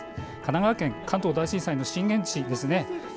神奈川県は関東大震災の震源地ですね。